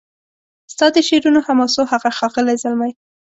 ستا د شعرونو حماسو هغه ښاغلی زلمی